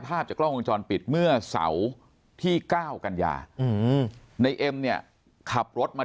ภาพจากกล้องวงจรปิดเมื่อเสาร์ที่๙กันยาในเอ็มเนี่ยขับรถมา